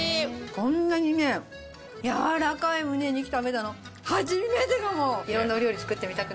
こんなにねやわらかいむね肉食べたの初めてかも！